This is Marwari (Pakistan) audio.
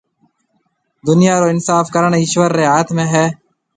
دُنيا رو اِنصاف ڪرڻ ايشوَر ريَ هاٿ ۾ هيَ۔